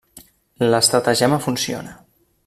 L'estratagema funciona.